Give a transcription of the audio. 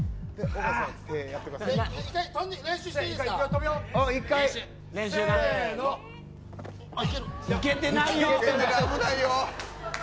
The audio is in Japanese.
いけてないよ。